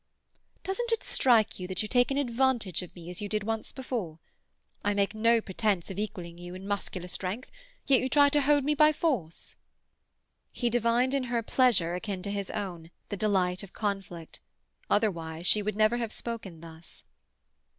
"Doesn't it strike you that you take an advantage of me, as you did once before? I make no pretence of equalling you in muscular strength, yet you try to hold me by force." He divined in her pleasure akin to his own, the delight of conflict. Otherwise, she would never have spoken thus.